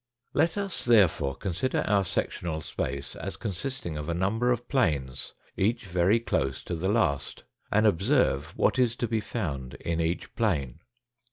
Let us therefore consider our sectional space as consisting of a number of planes, each very close to the last, and observe what is to be found in each plane.